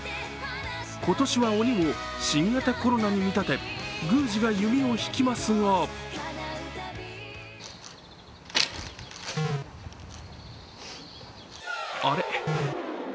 今年は鬼を新型コロナに見立て、宮司が弓を引きますがあれ？